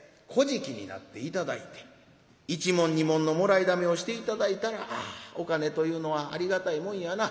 じきになって頂いて１文２文のもらいだめをして頂いたらああお金というのはありがたいもんやな。